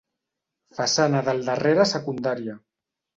Façana del darrere secundària.